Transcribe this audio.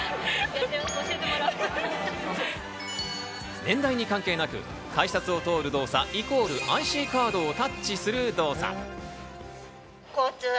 年代に関係なく、改札を通る動作＝ＩＣカードをタッチする動作。